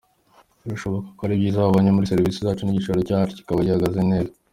Birashoboka ko hari ibyiza babonye muri serivisi zacu n’igishoro cyacu kikaba gihagaze neza.